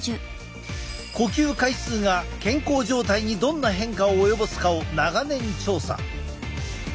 呼吸回数が健康状態にどんな変化を及ぼすかを長年調査。